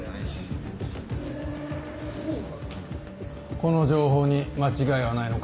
この情報に間違いはないのか？